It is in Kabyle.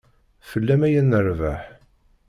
Fell-am ay nerbeḥ.